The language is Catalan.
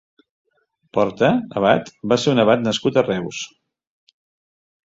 Porta (abat) va ser un abat nascut a Reus.